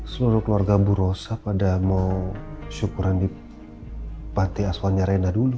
seluruh keluarga bu rosa pada mau syukuran di bati aswalnya rena dulu